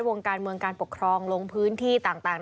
วงการเมืองการปกครองลงพื้นที่ต่าง